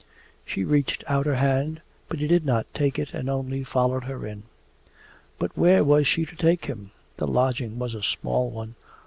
She reached out her hand, but he did not take it and only followed her in. But where was she to take him? The lodging was a small one.